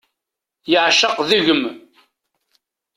Yeεceq deg-m.